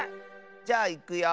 じゃあいくよ。